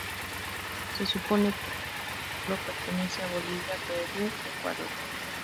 Se supone que lo andino sólo pertenece a Bolivia, Perú, Ecuador.